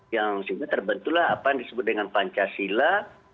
yang terbentuklah apa yang disebut dengan pancasila